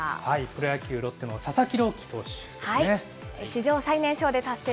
プロ野球・ロッテの佐々木朗希投手ですね。